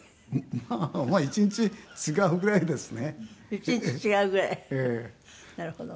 まあ１日違うぐらいですね。